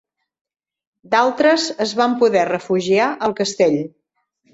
D'altres es van poder refugiar al castell.